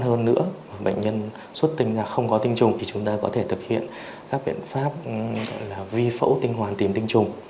hơn nữa bệnh nhân xuất tình là không có tình trùng thì chúng ta có thể thực hiện các biện pháp là vi phẫu tình hoàn tìm tình trùng